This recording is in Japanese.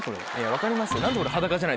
分かりますよ。